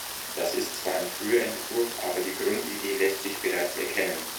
Das ist zwar ein früher Entwurf, aber die Grundidee lässt sich bereits erkennen.